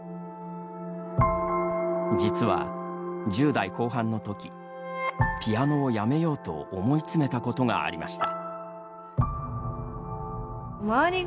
実は１０代後半のときピアノをやめようと思い詰めたことがありました。